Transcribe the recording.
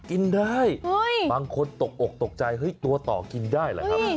กินได้บางคนตกอกตกใจเฮ้ยตัวต่อกินได้เหรอครับ